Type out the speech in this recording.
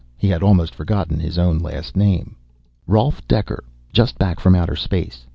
He had almost forgotten his own last name. "Rolf Dekker, just back from outer space.